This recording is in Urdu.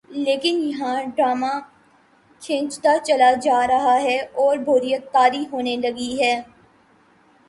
لیکن یہاں ڈرامہ کھنچتا چلا جارہاہے اوربوریت طاری ہونے لگی ہے۔